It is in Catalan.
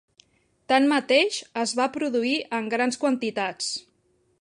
Tanmateix, es va produir en grans quantitats.